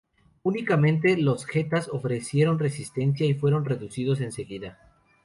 Únicamente los getas ofrecieron resistencia y fueron reducidos enseguida.